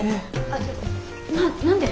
ちょっとな何で？